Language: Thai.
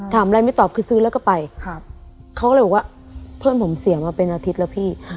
อะไรไม่ตอบคือซื้อแล้วก็ไปเขาก็เลยบอกว่าเพื่อนผมเสียมาเป็นอาทิตย์แล้วพี่